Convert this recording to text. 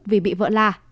vì bị vợ la